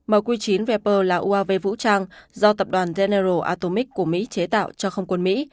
màu q chín vepr là uav vũ trang do tập đoàn general atomic của mỹ chế tạo cho không quân mỹ